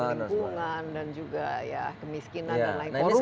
lingkungan dan juga ya kemiskinan dan lain lain